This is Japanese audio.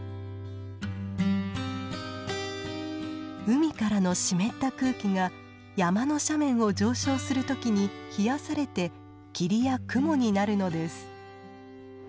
海からの湿った空気が山の斜面を上昇する時に冷やされて霧や雲になるのです。